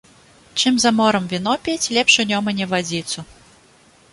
Чым за морам віно піць, лепш у Нёмане вадзіцу